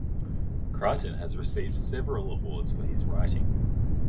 Creighton has received several awards for his writing.